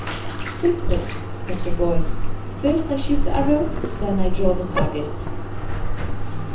"Simple", said the boy, "first I shoot the arrow, then I draw the target".